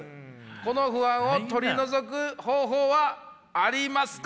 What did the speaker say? この不安を取り除く方法はありますか？」。